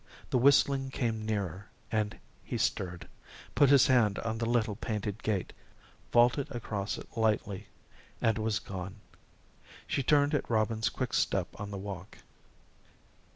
The whistling came nearer, and he stirred, put his hand on the little painted gate, vaulted across it lightly, and was gone. She turned at Robin's quick step on the walk.